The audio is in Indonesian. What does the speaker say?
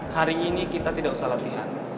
hari ini kita tidak usah latihan